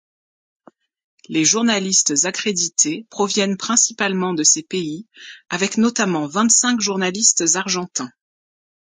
Les journalistes accrédités proviennent principalement de ces pays avec notamment vingt-cinq journalistes argentins.